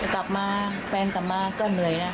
กลับมาแฟนกลับมาก็เหนื่อยนะ